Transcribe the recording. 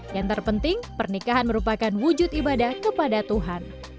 yang terpenting pernikahan merupakan wujud ibadah kepada tuhan